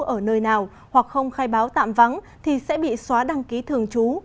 ở nơi nào hoặc không khai báo tạm vắng thì sẽ bị xóa đăng ký thường trú